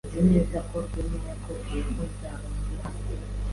Nzi neza ko Rwema yakubwiye ko nzaba ndi hano.